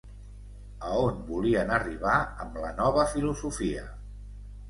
A on volien arribar amb la nova filosofia?